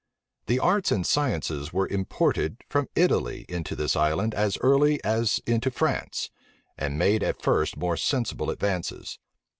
The arts and sciences were imported from Italy into this island as early as into France; and made at first more sensible advances.